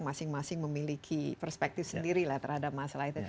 masing masing memiliki perspektif sendiri lah terhadap masalah itu